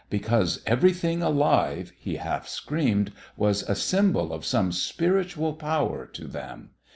"Because everything alive," he half screamed, "was a symbol of some spiritual power to them.